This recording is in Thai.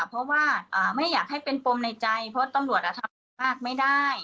เพราะว่าไม่อยากให้เป็นปมในใจเพราะตำรวจทำอะไรมากไม่ได้